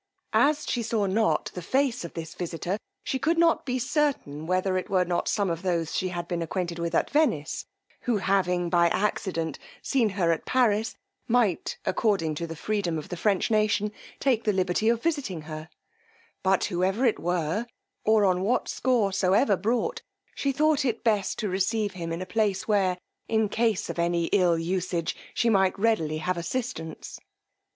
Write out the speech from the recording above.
As she saw not the face of this visitor, she could not be certain whether it were not some of those she had been acquainted with at Venice, who having, by accident, seen her at Paris, might, according to the freedom of the French nation, take the liberty of visiting her; but whoever it were, or on what score soever brought, she thought it best to receive him in a place where, in case of any ill usage, she might readily have assistance.